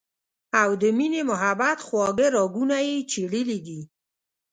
او د مينې محبت خواږۀ راګونه ئې چېړلي دي